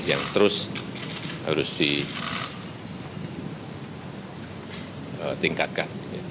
yang terus harus ditingkatkan